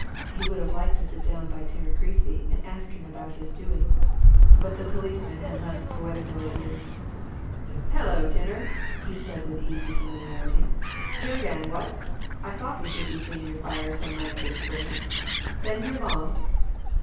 He would have liked to sit down by Tinner Creasy and ask him about his doings but the policeman had less poetical ideas. "Hullo, Tinner!" said he, with easy familiarity. "Here again, what? I thought we should be seeing your fire some night this spring. Been here long?"